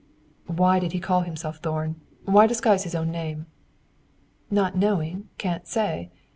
"Why did he call himself Thorn? Why disguise his own name?" "Not knowing, can't say.